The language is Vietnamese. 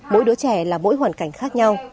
mỗi đứa trẻ là mỗi hoàn cảnh khác nhau